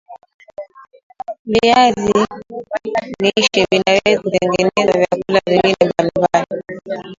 Viazi lishe vinaweza kutengeneza vyakula vingine mbali mbali